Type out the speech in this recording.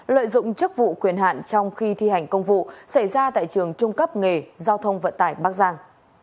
lợi dụng chức vụ quyền hạn trong khi thi hành công vụ xảy ra tại trường trung cấp nghề giao thông vận tải bắc giang